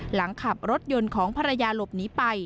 หลังขับรถยนต์ของภรรยาหลบหนีไป